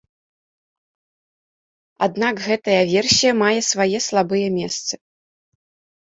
Аднак гэтая версія мае свае слабыя месцы.